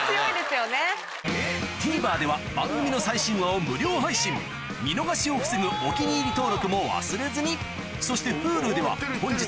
ＴＶｅｒでは番組の最新話を無料配信見逃しを防ぐ「お気に入り」登録も忘れずにそしてＨｕｌｕでは本日の放送も過去の放送も配信中